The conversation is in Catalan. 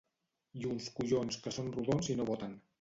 I uns collons que són rodons i no boten